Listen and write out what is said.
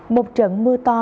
một trận mưa to